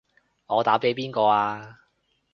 我打畀邊個啊？